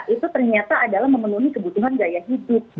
itu ternyata adalah memenuhi kebutuhan gaya hidup